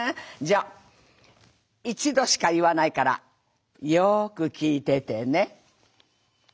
じゃあ一度しか言わないからよく聞いててね。